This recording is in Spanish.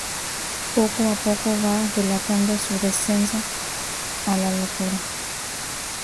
Poco a poco va relatando su descenso a la locura.